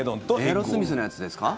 エアロスミスのやつですか？